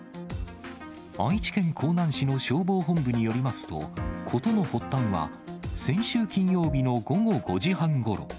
愛知県江南市の消防本部によりますと、ことの発端は、先週金曜日の午後５時半ごろ。